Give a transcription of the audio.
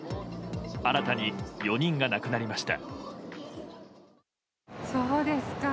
新たに４人が亡くなりました。